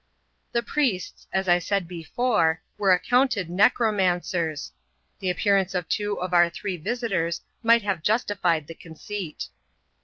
The priests, as I said before, were accounted necromancers : the appearance of two of our three visitors might have justified the conceit.